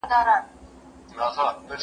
د روغتیا نړیوال سازمان څه وایي؟